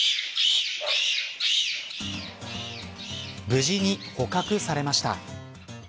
無事に捕獲されました。